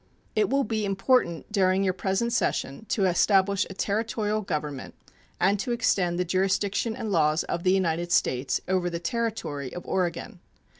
It will be important during your present session to establish a Territorial government and to extend the jurisdiction and laws of the United States over the Territory of Oregon.